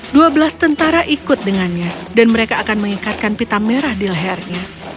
dua belas tentara ikut dengannya dan mereka akan meningkatkan pita merah di lehernya